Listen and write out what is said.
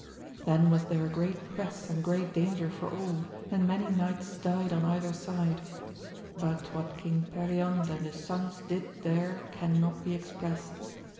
Then was there a great press and great danger for all, and many knights died on either side : but what King Perion and his sons did there cannot be expressed.